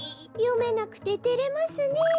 よめなくててれますね。